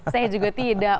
saya juga tidak